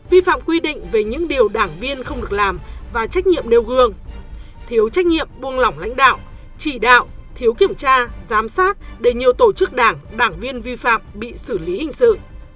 vi phạm quy định về những điều đảng viên không được làm và trách nhiệm nêu gương thiếu trách nhiệm buông lỏng lãnh đạo chỉ đạo thiếu kiểm tra giám sát để nhiều tổ chức đảng đảng viên vi phạm bị xử lý hình sự